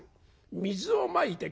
水をまいて下さるがな